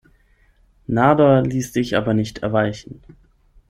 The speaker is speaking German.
Nader ließ sich aber nicht erweichen.